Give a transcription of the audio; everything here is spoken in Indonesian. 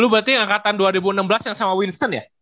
berarti angkatan dua ribu enam belas yang sama winson ya